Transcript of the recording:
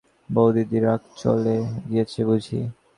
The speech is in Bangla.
বৌদিদির রাগ চলে গিয়েছে বুঝি?